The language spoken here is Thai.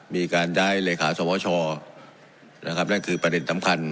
มีการย้ายเลขาสวชนะครับนั่นคือประเด็นสำคัญ